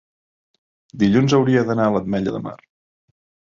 dilluns hauria d'anar a l'Ametlla de Mar.